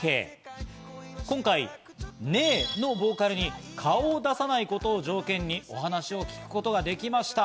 今回、『ねぇ』のボーカルに顔を出さないことを条件にお話を聞くことができました。